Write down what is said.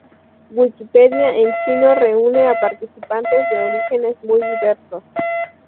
Wikipedia en chino reúne a participantes de orígenes muy diversos.